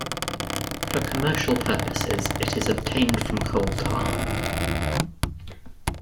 For commercial purposes it is obtained from coal tar.